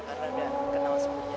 karena udah kenal sebelumnya